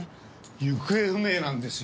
行方不明なんですよ。